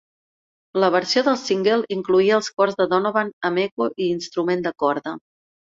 La versió del single incloïa els cors de Donovan amb eco i instrument de corda.